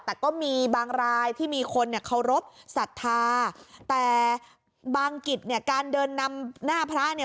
แต่ก็มีบางรายที่มีคนเนี่ยเคารพสัทธาแต่บางกิจเนี่ยการเดินนำหน้าพระเนี่ย